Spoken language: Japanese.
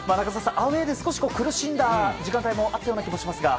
アウェーで苦しんだ時間帯もあったような気もしますが。